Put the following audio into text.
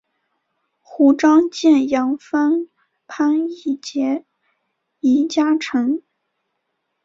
胡璋剑杨帆潘羿捷移佳辰